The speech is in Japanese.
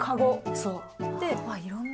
そう。